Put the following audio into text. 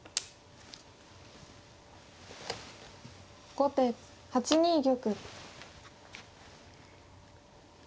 後手８二玉。